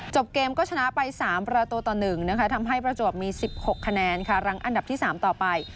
เกมก็ชนะไป๓ประตูต่อ๑นะคะทำให้ประจวบมี๑๖คะแนนค่ะหลังอันดับที่๓ต่อไป